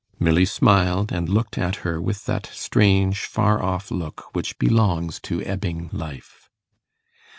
Milly smiled and looked at her with that strange, far off look which belongs to ebbing life.